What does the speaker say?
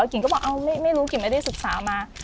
กิ๊กก็บอกอ้าวไม่รู้กิ๊กไม่ได้ศึกษามา